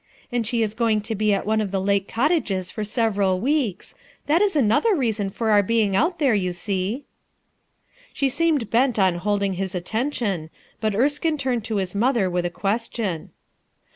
And she is going to be at one of 142 RUTH ERSKINE'S SON the lake cottages for several weeks; that is another reason for our being out there, you see." She seemed bent on holding his attention, but Erskine turned to his mother with a question.